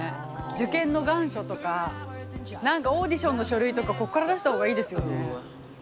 受験の願書とかなんかオーディションの書類とかここから出したほうがいいですよね。